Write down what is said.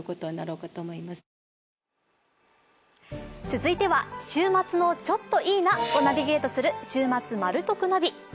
続いては週末のちょっといいなをナビゲートする「週末マル得ナビ」。